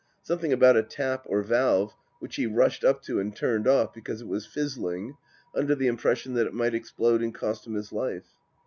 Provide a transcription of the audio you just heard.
Something about a tap or valve which he rushed up to and turned off because it was fizzling, under the impression that it might explode and cost him his life.